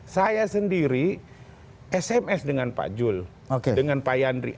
saya sendiri sms dengan pak jul dengan pak yandri